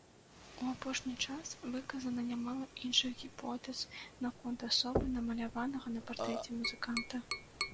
У апошні час выказана нямала іншых гіпотэз наконт асобы намаляванага на партрэце музыканта.